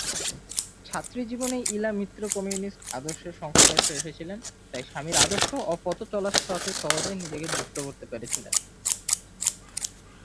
ছাত্রী জীবনেই ইলা মিত্র কমিউনিস্ট আদর্শের সংস্পর্শে এসেছিলেন, তাই স্বামীর আদর্শ ও পথ চলার সাথে সহজেই নিজেকে যুক্ত করতে পেরেছিলেন।